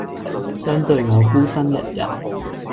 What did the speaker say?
相對我孤身一人